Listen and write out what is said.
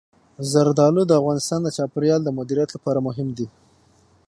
زردالو د افغانستان د چاپیریال د مدیریت لپاره مهم دي.